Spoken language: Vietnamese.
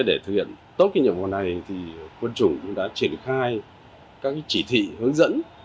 để thực hiện tốt cái nhiệm vụ này quân chủ cũng đã triển khai các chỉ thị hướng dẫn